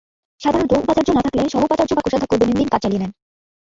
সাধারণত উপাচার্য না থাকলে সহ উপাচার্য বা কোষাধ্যক্ষ দৈনন্দিন কাজ চালিয়ে নেন।